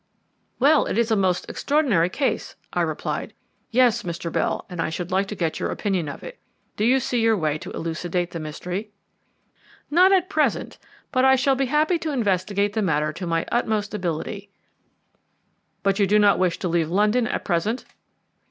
"Well, it is a most extraordinary case," I replied. "Yes, Mr. Bell, and I should like to get your opinion of it. Do you see your way to elucidate the mystery?" "Not at present; but I shall be happy to investigate the matter to my utmost ability." "But you do not wish to leave London at present?"